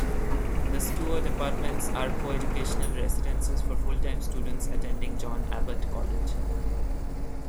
The Stewart Apartments are co-educational residences for full-time students attending John Abbott College.